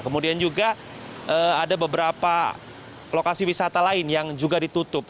kemudian juga ada beberapa lokasi wisata lain yang juga ditutup